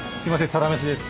「サラメシ」です。